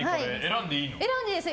選んでいいです。